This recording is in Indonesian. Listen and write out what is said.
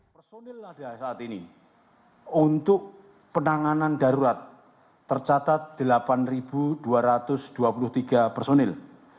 personil ada saat ini untuk penanganan darurat tercatat delapan dua ratus dua puluh tiga personil